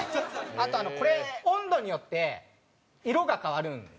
あとこれ温度によって色が変わるんですよ。